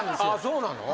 そうなの？